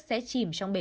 sẽ chìm trong bể